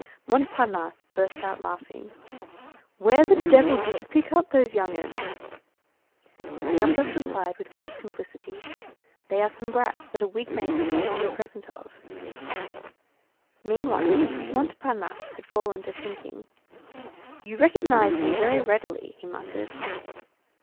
Montparnasse burst out laughing:— "Where the devil did you pick up those young 'uns?" Gavroche replied with great simplicity:— "They are some brats that a wig maker made me a present of." Meanwhile, Montparnasse had fallen to thinking:— "You recognized me very readily," he muttered.